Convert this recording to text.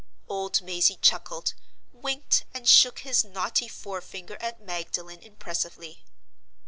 Old Mazey chuckled, winked, and shook his knotty forefinger at Magdalen, impressively.